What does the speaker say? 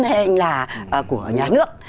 hay anh là của nhà nước